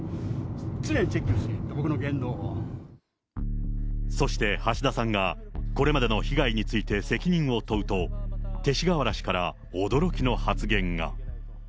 常にチェックしてる、そして、橋田さんがこれまでの被害について責任を問うと、勅使河原氏から驚きの発言が。